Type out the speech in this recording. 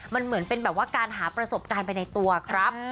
มันเหมือนเป็นแบบว่าการหาประสบการณ์ไปในตัวครับ